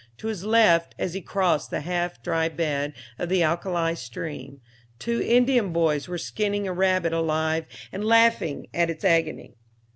To his left, as he crossed the half dry bed of the alkali stream, two Indian boys were skinning a rabbit alive and laughing at its agony.